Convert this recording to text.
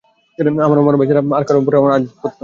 আমার ও আমার ভাই ছাড়া আর কারো উপর আমার আধিপত্য নেই।